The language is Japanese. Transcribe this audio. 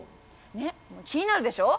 ねっ気になるでしょ。